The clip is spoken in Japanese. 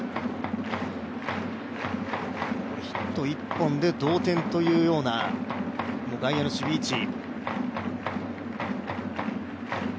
ヒット１本で同点というような外野の守備位置。